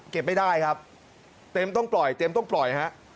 ไม่ได้ครับเต็มต้องปล่อยเต็มต้องปล่อยฮะ